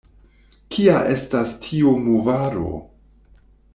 Kia estas tiu movado?